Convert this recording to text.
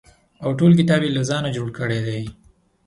او ټول کتاب یې له ځانه جوړ کړی دی.